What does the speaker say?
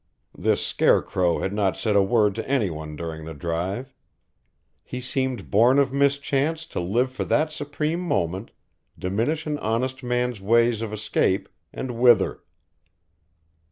This scarecrow had not said a word to anyone during the drive. He seemed born of mischance to live for that supreme moment, diminish an honest man's ways of escape, and wither.